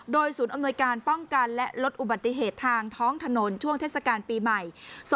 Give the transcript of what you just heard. โดยศูนย์อำนวยการป้องกันและลดอุบัติเหตุทางท้องถนนช่วงเทศกาลปีใหม่๒๕๖